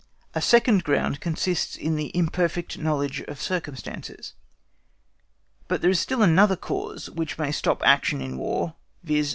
18 A SECOND GROUND CONSISTS IN THE IMPERFECT KNOWLEDGE OF CIRCUMSTANCES. But there is still another cause which may stop action in War, viz.